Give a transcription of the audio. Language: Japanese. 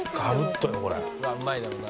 「うわあうまいだろうな」